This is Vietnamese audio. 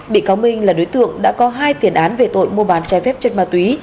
bị cáo minh là đối tượng đã có hai tiền án về tội mua bán trái phép chất ma túy